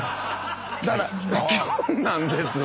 だからきょんなんですよ。